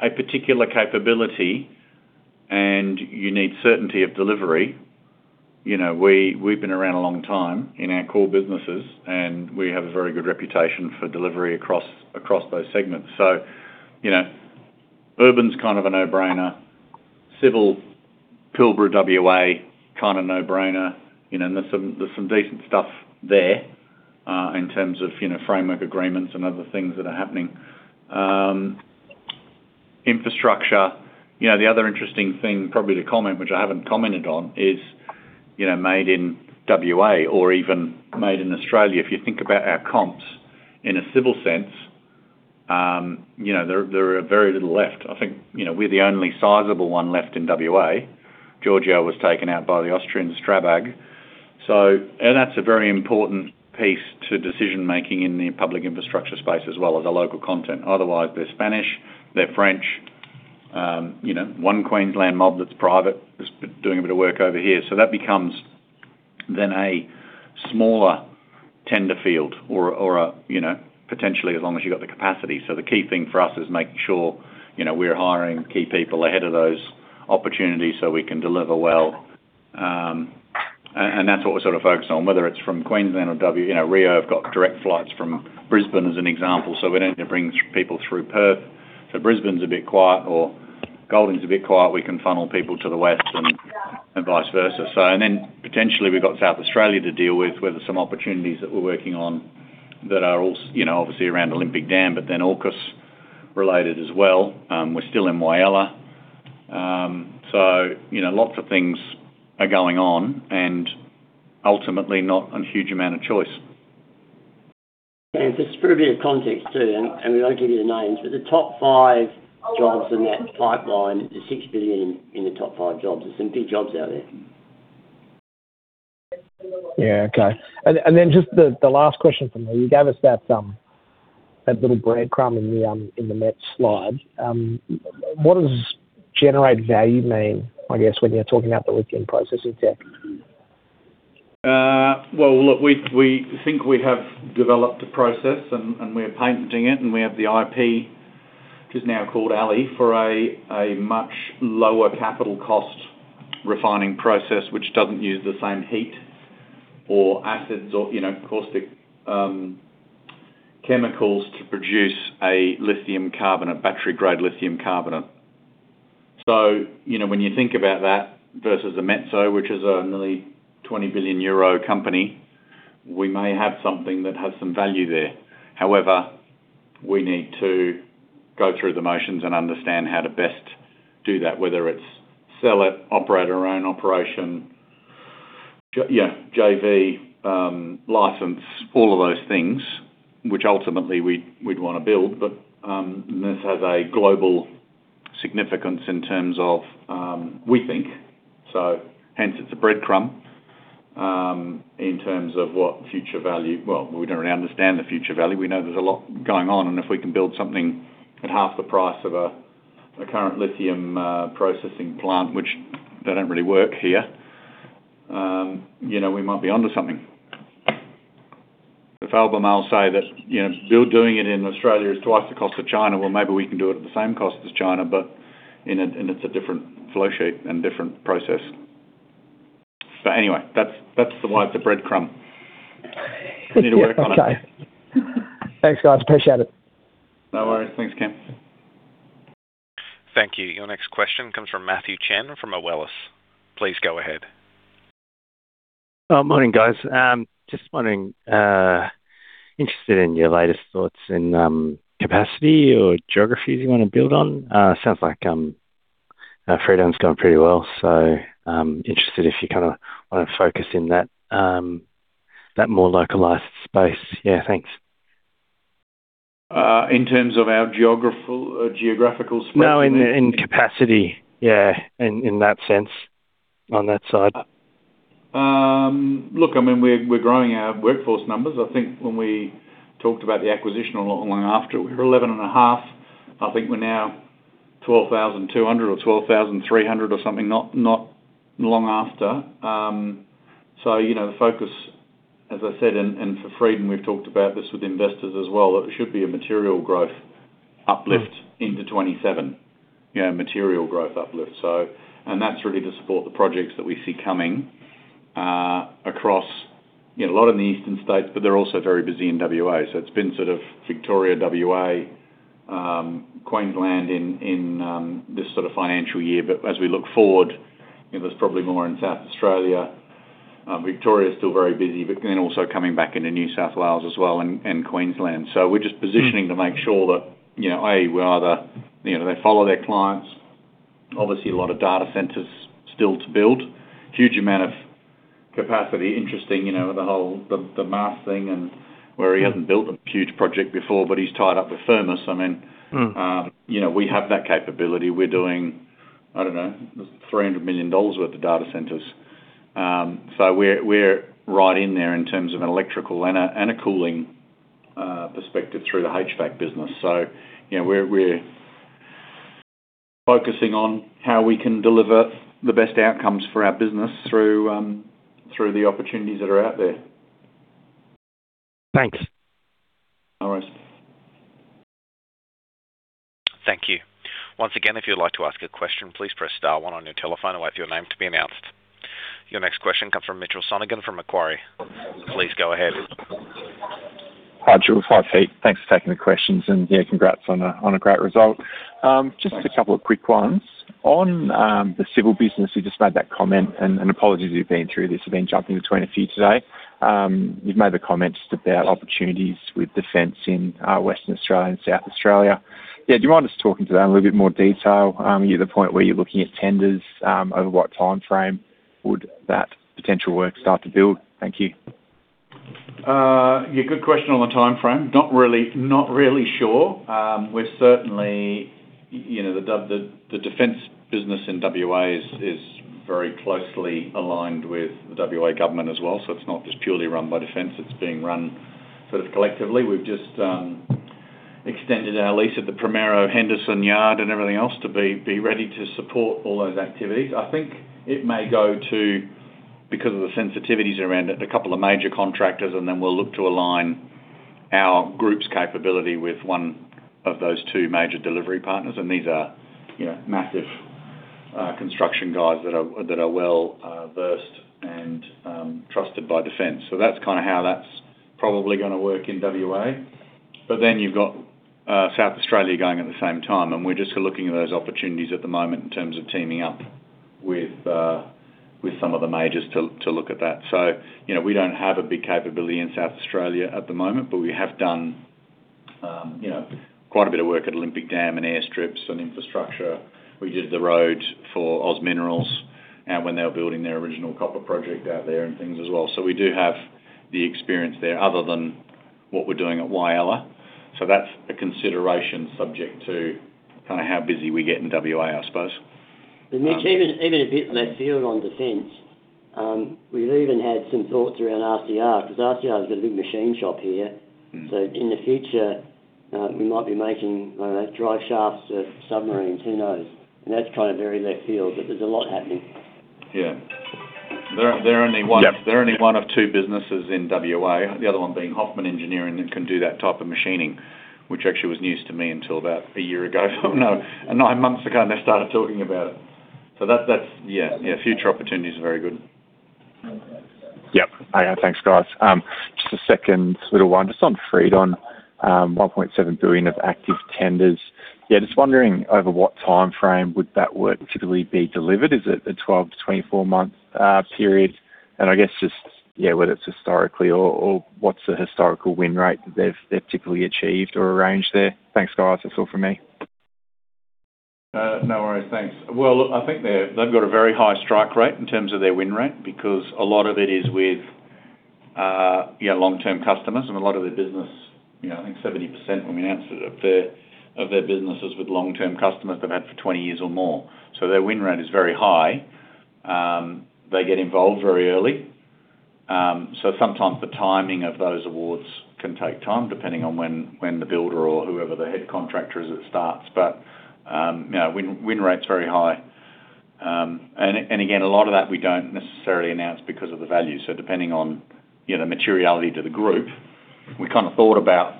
a particular capability and you need certainty of delivery, you know, we, we've been around a long time in our core businesses, and we have a very good reputation for delivery across, across those segments. So, you know, urban's kind of a no-brainer. Civil Pilbara, WA, kinda no-brainer, you know, and there's some, there's some decent stuff there, in terms of, you know, framework agreements and other things that are happening. Infrastructure, you know, the other interesting thing, probably to comment, which I haven't commented on, is, you know, made in WA or even made in Australia. If you think about our comps in a civil sense, you know, there, there are very little left. I think, you know, we're the only sizable one left in WA. Georgiou was taken out by the Austrian, Strabag. That's a very important piece to decision-making in the public infrastructure space as well as a local content. Otherwise, they're Spanish, they're French, you know, one Queensland mob that's private, is doing a bit of work over here. So that becomes then a smaller tender field or a, you know, potentially, as long as you've got the capacity. So the key thing for us is making sure, you know, we're hiring key people ahead of those opportunities so we can deliver well. And that's what we're sort of focused on, whether it's from Queensland or WA. You know, Rio have got direct flights from Brisbane, as an example, so we don't need to bring people through Perth. So Brisbane's a bit quiet or Golding's a bit quiet, we can funnel people to the west and vice versa. And then, potentially, we've got South Australia to deal with, where there's some opportunities that we're working on that are also, you know, obviously around Olympic Dam, but then AUKUS related as well. We're still in Whyalla. So, you know, lots of things are going on, and ultimately not a huge amount of choice. Just for a bit of context, too, and we won't give you the names, but the top five jobs in that pipeline is 6 billion in the top five jobs. There are some big jobs out there. Yeah, okay. And then just the last question from me. You gave us that little breadcrumb in the METs slide. What does generate value mean, I guess, when you're talking about the lithium processing tech? Well, look, we think we have developed a process, and we're patenting it, and we have the IP, which is now called ALLIE, for a much lower capital cost refining process, which doesn't use the same heat or acids or, you know, caustic chemicals to produce a lithium carbonate, battery-grade lithium carbonate. So, you know, when you think about that versus a Metso, which is a nearly 20 billion euro company, we may have something that has some value there. However, we need to go through the motions and understand how to best do that, whether it's sell it, operate our own operation. Yeah, JV, license, all of those things, which ultimately we'd want to build, but this has a global significance in terms of, we think so. Hence, it's a breadcrumb, in terms of what future value. Well, we don't really understand the future value. We know there's a lot going on, and if we can build something at half the price of a current lithium processing plant, which they don't really work here, you know, we might be onto something. If ALLIE may say that, you know, building doing it in Australia is twice the cost of China, well, maybe we can do it at the same cost as China, but in a different flow sheet and different process. But anyway, that's why it's a breadcrumb. We need to work on it. Okay. Thanks, guys. Appreciate it. No worries. Thanks, Cameron. Thank you. Your next question comes from Matthew Chen from Moelis. Please go ahead. Morning, guys. Just wondering, interested in your latest thoughts in capacity or geographies you wanna build on? Sounds like Fredon's going pretty well, so interested if you kinda wanna focus in that that more localized space. Yeah, thanks. In terms of our geographical space? No, in capacity. Yeah, in that sense, on that side. Look, I mean, we're growing our workforce numbers. I think when we talked about the acquisition or not long after, we were 11.5. I think we're now 12,200 or 12,300 or something, not long after. So you know, the focus, as I said, and for Fredon, we've talked about this with investors as well, it should be a material growth uplift into 2027. Yeah, material growth uplift so... And that's really to support the projects that we see coming across, you know, a lot of the eastern states, but they're also very busy in WA. So it's been sort of Victoria, WA, Queensland in this sort of financial year. But as we look forward, you know, there's probably more in South Australia. Victoria is still very busy, but then also coming back into New South Wales as well, and Queensland. So we're just positioning to make sure that, you know, A, we're either, you know, they follow their clients. Obviously, a lot of data centers still to build. Huge amount of capacity. Interesting, you know, the whole mass thing and where he hasn't built a huge project before, but he's tied up with firms. I mean- Mm. you know, we have that capability. We're doing, I don't know, 300 million dollars worth of data centers. So we're, we're right in there in terms of an electrical and a, and a cooling perspective through the HVAC business. So, you know, we're, we're focusing on how we can deliver the best outcomes for our business through, through the opportunities that are out there. Thanks. No worries. Thank you. Once again, if you'd like to ask a question, please press star one on your telephone and wait for your name to be announced. Your next question comes from Mitchell Sonogan, from Macquarie. Please go ahead. Hi, Julie. Hi, Pete. Thanks for taking the questions, and, yeah, congrats on a great result. Just a couple of quick ones. On the civil business, you just made that comment, and apologies you've been through this. I've been jumping between a few today. You've made the comment just about opportunities with defense in Western Australia and South Australia. Yeah, do you mind just talking to that in a little bit more detail? Are you at the point where you're looking at tenders? Over what timeframe would that potential work start to build? Thank you. Yeah, good question on the timeframe. Not really, not really sure. We're certainly, you know, the defense business in WA is very closely aligned with the WA government as well. So it's not just purely run by defense, it's being run sort of collectively. We've just extended our lease at the Primero Henderson Yard and everything else to be ready to support all those activities. I think it may go to, because of the sensitivities around it, a couple of major contractors, and then we'll look to align our group's capability with one of those two major delivery partners, and these are, you know, massive construction guys that are well versed and trusted by defense. So that's kinda how that's probably gonna work in WA. But then you've got South Australia going at the same time, and we're just looking at those opportunities at the moment in terms of teaming up with some of the majors to look at that. So, you know, we don't have a big capability in South Australia at the moment, but we have done, you know, quite a bit of work at Olympic Dam and airstrips and infrastructure. We did the road for Oz Minerals when they were building their original copper project out there and things as well. So we do have the experience there other than what we're doing at Whyalla. So that's a consideration subject to kinda how busy we get in WA, I suppose. Even, even a bit left field on defense, we've even had some thoughts around RCR, 'cause RCR has got a big machine shop here. Mm. In the future, we might be making drive shafts for submarines, who knows? That's kind of very left field, but there's a lot happening. Yeah. There are only one- Yeah. There are only one of two businesses in WA, the other one being Hofmann Engineering, that can do that type of machining, which actually was news to me until about a year ago. No, nine months ago, and they started talking about it. So that, that's... Yeah, yeah, future opportunities are very good. Yep. All right, thanks, guys. Just a second little one, just on Fredon, 1.7 billion of active tenders. Yeah, just wondering over what time frame would that work typically be delivered? Is it a 12-24-month period? I guess just, yeah, whether it's historically or, or what's the historical win rate that they've typically achieved or arranged there. Thanks, guys. That's all for me. No worries. Thanks. Well, I think they've got a very high strike rate in terms of their win rate, because a lot of it is with, yeah, long-term customers, and a lot of their business, you know, I think 70%, when we announced it, of their business is with long-term customers they've had for 20 years or more. So their win rate is very high. They get involved very early. So sometimes the timing of those awards can take time, depending on when the builder or whoever the head contractor is, it starts. But, you know, win rate's very high. And again, a lot of that we don't necessarily announce because of the value. So depending on, you know, materiality to the group, we kinda thought about,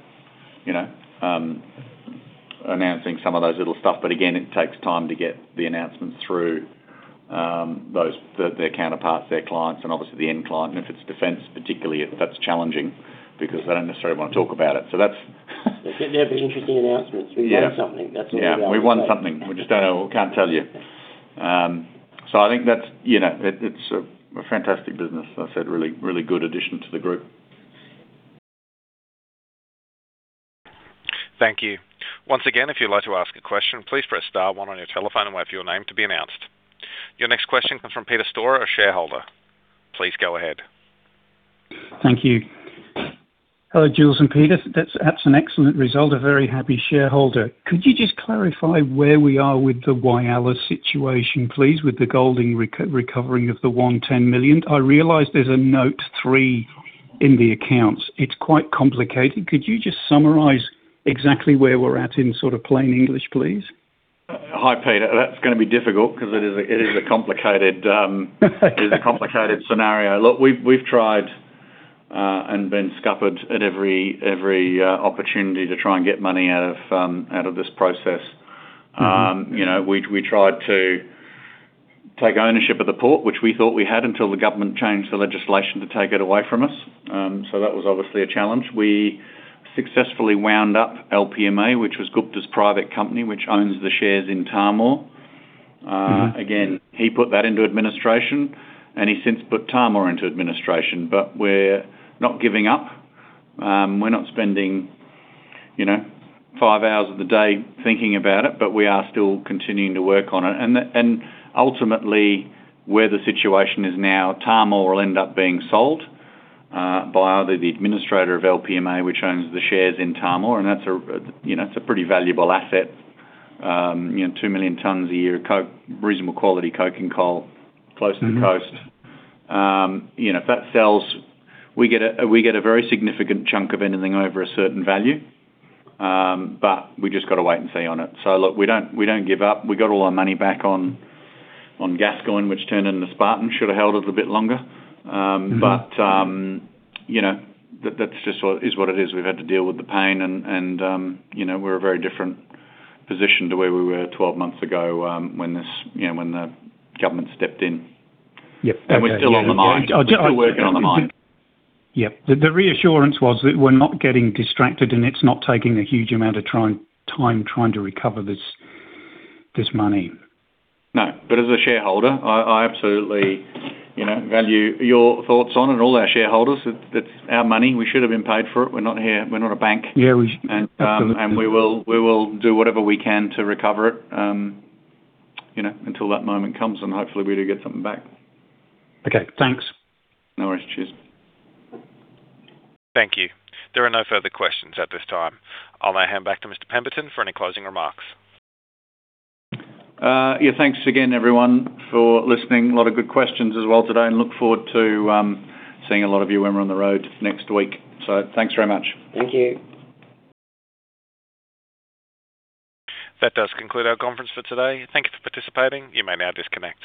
you know, announcing some of those little stuff. But again, it takes time to get the announcements through their counterparts, their clients, and obviously the end client. And if it's defense, particularly, that's challenging because they don't necessarily want to talk about it. So that's, They have interesting announcements. Yeah. We won something, that's all. Yeah, we won something. We just don't know—we can't tell you. So I think that's, you know, it, it's a fantastic business. I said really, really good addition to the group. Thank you. Once again, if you'd like to ask a question, please press star one on your telephone and wait for your name to be announced. Your next question comes from Peter Storer, a shareholder. Please go ahead. Thank you. Hello, Jules and Peter. That's, that's an excellent result, a very happy shareholder. Could you just clarify where we are with the Whyalla situation, please, with the Golding recovering of the 110 million? I realize there's a Note 3 in the accounts. It's quite complicated. Could you just summarize exactly where we're at in sort of plain English, please? Hi, Peter. That's gonna be difficult because it is a complicated scenario. Look, we've tried and been scuppered at every opportunity to try and get money out of this process. You know, we tried to take ownership of the port, which we thought we had until the government changed the legislation to take it away from us. So that was obviously a challenge. We successfully wound up LPMA, which was Gupta's private company, which owns the shares in Tahmoor. Again, he put that into administration, and he since put Tahmoor into administration. But we're not giving up. We're not spending, you know, five hours of the day thinking about it, but we are still continuing to work on it. Ultimately, where the situation is now, Tahmoor will end up being sold by either the administrator of LPMA, which owns the shares in Tahmoor, and that's, you know, it's a pretty valuable asset. You know, 2 million tons a year, reasonable quality coking coal, close to the coast. You know, if that sells, we get a very significant chunk of anything over a certain value, but we just gotta wait and see on it. So look, we don't give up. We got all our money back on Gascoigne, which turned into Spartan, should have held it a bit longer. But you know, that's just what it is. We've had to deal with the pain and, you know, we're a very different position to where we were 12 months ago, when, you know, when the government stepped in. Yep. We're still on the mine. We're still working on the mine. Yep. The reassurance was that we're not getting distracted, and it's not taking a huge amount of time trying to recover this money. No, but as a shareholder, I absolutely, you know, value your thoughts on and all our shareholders. That's our money. We should have been paid for it. We're not here. We're not a bank. Yeah, we- We will do whatever we can to recover it, you know, until that moment comes, and hopefully we do get something back. Okay, thanks. No worries. Cheers. Thank you. There are no further questions at this time. I'll now hand back to Mr. Pemberton for any closing remarks. Yeah, thanks again, everyone, for listening. A lot of good questions as well today, and look forward to seeing a lot of you when we're on the road next week. So thanks very much. Thank you. That does conclude our conference for today. Thank you for participating. You may now disconnect.